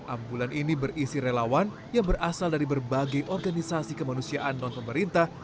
ambulan ini berisi relawan yang berasal dari berbagai organisasi kemanusiaan non pemerintah